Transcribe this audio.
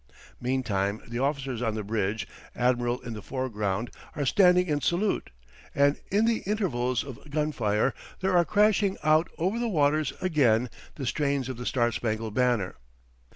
Meantime the officers on the bridge, admiral in the foreground, are standing in salute; and in the intervals of gun fire there are crashing out over the waters again the strains of the "Star Spangled Banner."